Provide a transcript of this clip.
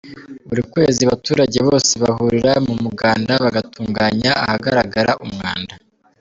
Buri kwezi abaturage bose bahurira mu muganda, bagatunganya ahagaragara umwanda.